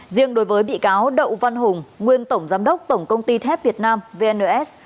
riêng đối với bị cáo đậu văn hùng nguyên tổng giám đốc tổng công ty thép việt nam vns